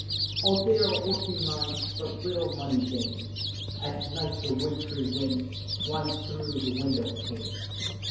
All day our work we mind; But little money gain; At night the wintry wind Whines thro' the window pane.